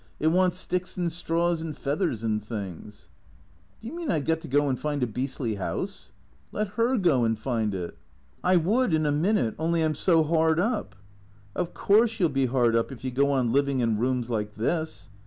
It wants sticks and straws and feathers and things "" Do you mean I 've got to go and find a beastly house ?"" Let her go and find it." " I would in a minute — only I 'm so hard up." " Of course you '11 be hard up if you go on living in rooms like this."